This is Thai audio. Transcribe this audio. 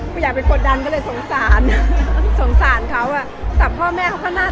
ก็ไม่ได้หนาแน่นอะไรนะหมายถึงละครได้จัดสรรได้แต่ว่าเออแบบ